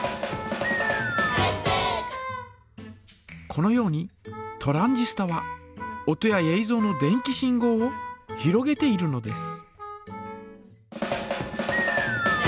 このようにトランジスタは音やえいぞうの電気信号をひろげているのです。